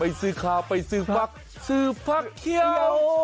ไปซื้อข้าวไปซื้อภักดิ์ซื้อภักดิ์เขี้ยว